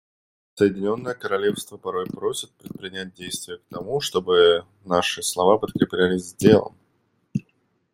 Соединенное Королевство порой просят предпринять действия к тому, чтобы наши слова подкреплялись делом.